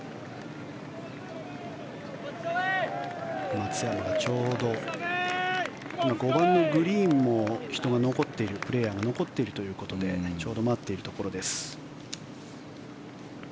松山がちょうど５番のグリーンも人が残っているプレーヤーが残っているということでちょうど待っているところです。